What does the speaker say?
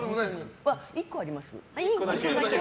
１個あります。